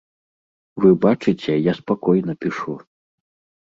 Вы бачыце, я спакойна пішу.